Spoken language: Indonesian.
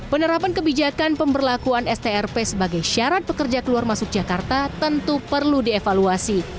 penerapan kebijakan pemberlakuan strp sebagai syarat pekerja keluar masuk jakarta tentu perlu dievaluasi